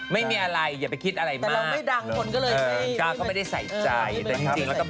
ไม่มีอะไรอย่าไปคิดอะไรมาก